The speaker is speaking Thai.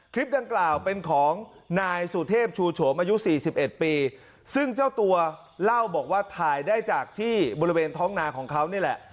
คลิปดังกล่าวเป็นของนายสุเทพชูโฉมอายุสี่สิบเอ็ดปีซึ่งเจ้าตัวเล่าบอกว่าถ่ายได้จากที่บริเวณท้องนาของเขานี่แหละ